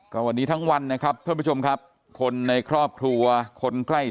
ก็วันนี้ทั้งวันนะครับท่านผู้ชมครับคนในครอบครัวคนใกล้